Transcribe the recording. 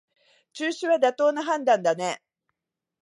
中止は妥当な判断だね